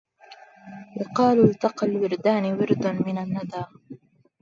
وقالوا التقى الوردان ورد من الندى